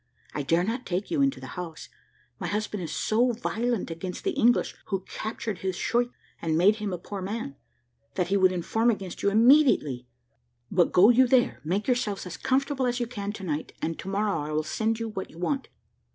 "I dare not take you into the house, my husband is so violent against the English, who captured his schuyt, and made him a poor man, that he would inform against you immediately; but go you there, make yourselves as comfortable as you can to night, and to morrow I will send you what you want.